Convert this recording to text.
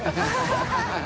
ハハハ